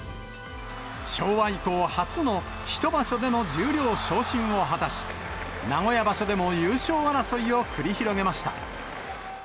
昭和以降初の１場所での十両昇進を果たし、名古屋場所でも優勝争いを繰り広げました。